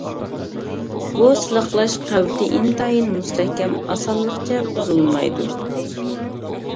بۇ سىلىقلاش قەۋىتى ئىنتايىن مۇستەھكەم، ئاسانلىقچە بۇزۇلمايدۇ.